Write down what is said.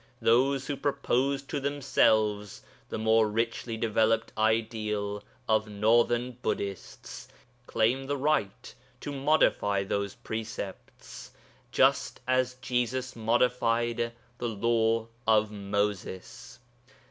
those who propose to themselves the more richly developed ideal of northern Buddhists) claim the right to modify those precepts just as Jesus modified the Law of Moses.